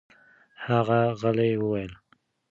هغه غلې وویل: